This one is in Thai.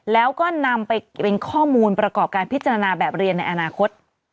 แล้วก็นำไปเป็นข้อมูลประกอบการพิจารณาแบบเรียนในอนาคต